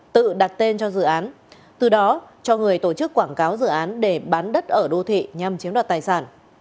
tự đặt tên cho dự án từ đó cho người tổ chức quảng cáo dự án để bán đất ở đô thị nhằm chiếm đoạt tài sản